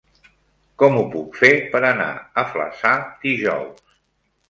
Com ho puc fer per anar a Flaçà dijous?